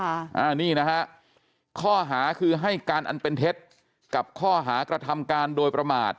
อันนี้นะฮะข้อหาคือให้การอันเป็นเท็จกับข้อหากระทำการโดยประมาท